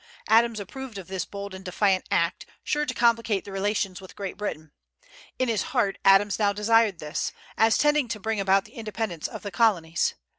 Adams approved of this bold and defiant act, sure to complicate the relations with Great Britain. In his heart Adams now desired this, as tending to bring about the independence of the Colonies.